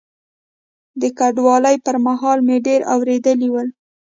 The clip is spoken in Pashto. د کډوالۍ پر مهال مې ډېر اورېدلي ول.